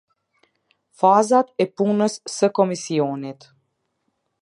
Fazat e punës së Komisionit.